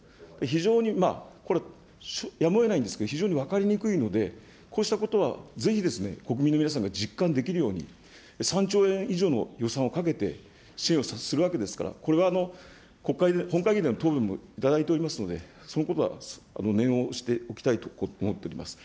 非常にこれ、やむをえないんですけれども、非常に分かりにくいので、こうしたことはぜひ国民の皆さんが実感できるように、３兆円以上の予算をかけて支援をするわけですから、これは国会で、本会議でも答弁もいただいておりますので、そのことは念を押しておきたいと思っております。